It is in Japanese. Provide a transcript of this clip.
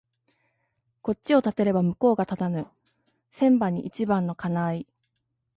こっちを立てれば向こうが立たぬ千番に一番の兼合い